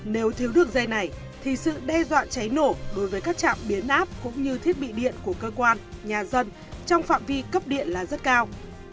nếu thiếu được dây này thì sự đe dọa cháy nổ đối với các trạm biến áp cũng như thiết bị điện của cơ quan nhà dân trong phạm vi cấp điện là rất cao